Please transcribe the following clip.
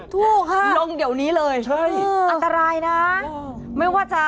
ถูกค่ะลงเดี๋ยวนี้เลยอันตรายนะ